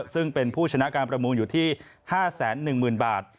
ซึ่งเป็นผู้ชนะการประมูลอยู่ที่๕๑๐๐๐บาท